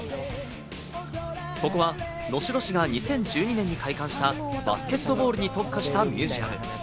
ここは能代市が２０１２年に開館したバスケットボールに特化したミュージアム。